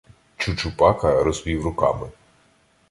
Чучупака розвів руками.